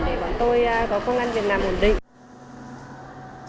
để tôi có công an việt nam ổn định